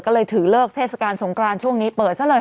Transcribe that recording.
ก็เลยถือเลิกเทศกาลสงกรานช่วงนี้เปิดซะเลย